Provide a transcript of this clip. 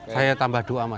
saya tambah doa mas